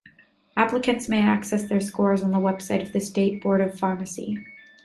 Applicants may access their scores on the website of the state Board of Pharmacy.